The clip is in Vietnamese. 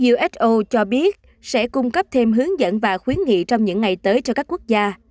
uso cho biết sẽ cung cấp thêm hướng dẫn và khuyến nghị trong những ngày tới cho các quốc gia